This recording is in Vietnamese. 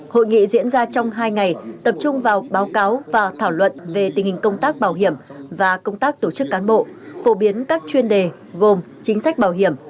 hội nghị diễn ra trong hai ngày tập trung vào báo cáo và thảo luận về tình hình công tác bảo hiểm và công tác tổ chức cán bộ phổ biến các chuyên đề gồm chính sách bảo hiểm